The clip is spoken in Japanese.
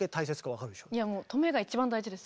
いやもう「止め」が一番大事です。